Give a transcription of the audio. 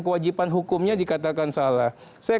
kewajiban hukumnya dikatakan salah saya